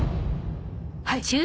はい。